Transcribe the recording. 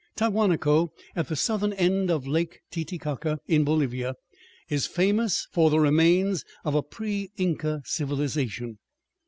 Tiahuanaco, at the southern end of Lake Titicaca, in Bolivia, is famous for the remains of a pre Inca civilization.